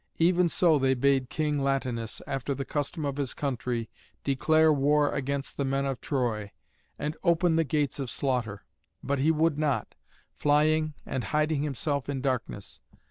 Even so they bade King Latinus, after the custom of his country, declare war against the men of Troy, and open the gates of slaughter; but he would not, flying and hiding himself in darkness.